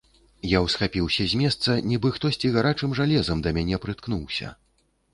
Я ўсхапіўся з месца, нібы хтосьці гарачым жалезам да мяне прыткнуўся.